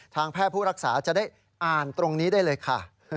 แพทย์ผู้รักษาจะได้อ่านตรงนี้ได้เลยค่ะ